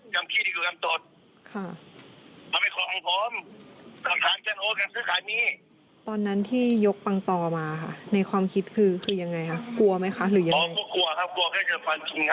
แต่คิดว่าถ้าเกรงวิ่งไงจริงมันก็เรื่องวิ่งหนีครับ